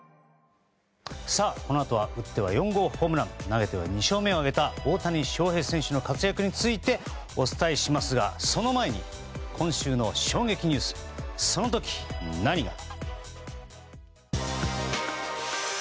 このあとは打っては４号ホームラン投げては２勝目を挙げた大谷翔平選手の活躍についてお伝えしますが、その前に今週の衝撃ニュースその時、何が。